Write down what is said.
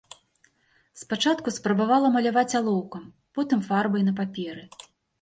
Спачатку спрабавала маляваць алоўкам, потым фарбай на паперы.